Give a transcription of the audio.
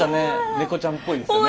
猫ちゃんっぽいんですよね。